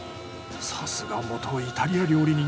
さすが元イタリア料理人。